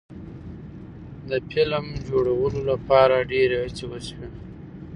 د فلم جوړولو لپاره ډیرې هڅې وشوې.